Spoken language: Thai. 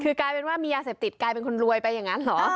คือกลายเป็นว่ามียาเสพติดกลายเป็นคนรวยไปอย่างนั้นเหรอ